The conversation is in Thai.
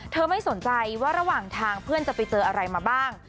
ไม่สนใจว่าระหว่างทางเพื่อนจะไปเจออะไรมาบ้าง